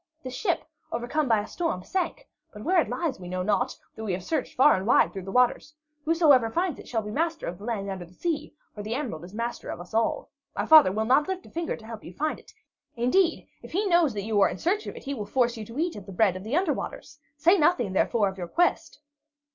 This ship, overcome by a storm, sank; but where it lies we know not, though we have searched far and wide through the waters. Whosoever finds it shall be master of the land under the sea, for the emerald is master of us all. My father will not lift a finger to help you find it; indeed, if he knows that you are in search of it, he will force you to eat of the bread of the under waters. Say nothing, therefore, of your quest."